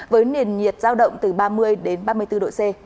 với nền nhiệt giao động từ ba mươi đến ba mươi bốn độ c